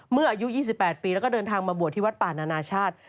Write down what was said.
เมื่ออายุ๒๘ปีแล้วก็เดินทางมาบวชที่วัดป่านานาชาติ